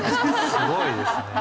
すごいですね。